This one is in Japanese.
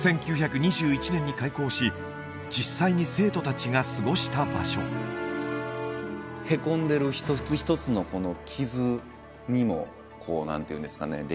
１９２１年に開校し実際に生徒達が過ごした場所へこんでる一つ一つのこの傷にもこう何ていうんですかね